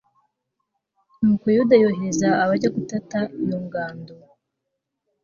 nuko yuda yohereza abajya gutata iyo ngando